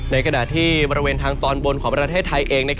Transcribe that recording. ในขณะที่บริเวณทางตอนบนของประเทศไทยเอง